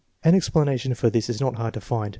An explanation for this is not hard to find.